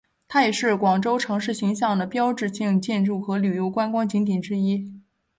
它也是广州城市形象的标志性建筑和旅游观光景点之一。